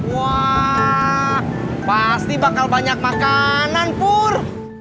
wah pasti bakal banyak makanan pur